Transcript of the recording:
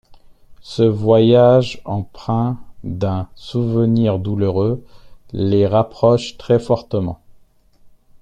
Ce voyage, empreint d'un souvenir douloureux, les rapproche très fortement...